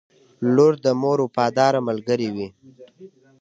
• لور د مور وفاداره ملګرې وي.